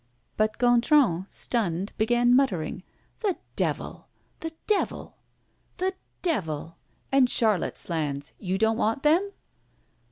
But Gontran, stunned, began muttering: "The devil! the devil! the devil! And Charlotte's lands you don't want them?"